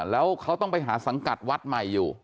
แล้วเขาต้องไปหาสังกัดวัดใหม่อยู่